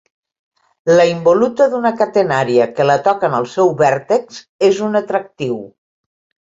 La involuta d'una catenària que la toca en el seu vèrtex és una tractriu.